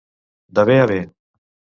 De bé a bé.